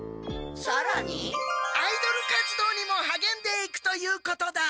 さらに？アイドル活動にもはげんでいくということだ。